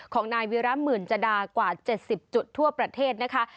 ของนายวิระหมื่นจดากว่า๗๐จุดทั่วประเทศนะคะ